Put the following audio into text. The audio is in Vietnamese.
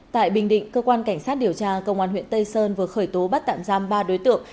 tại bình định cơ quan cảnh sát điều tra công an huyện tây sơn vừa khởi tố bắt tạm giam ba đối tượng